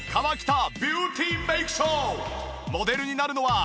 ではモデルになるのは。